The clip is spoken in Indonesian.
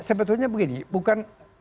sebetulnya begini bukan